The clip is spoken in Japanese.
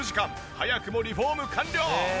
早くもリフォーム完了！